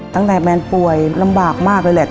แมนป่วยลำบากมากเลยแหละ